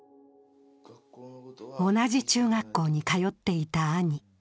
同じ中学校に通っていた兄。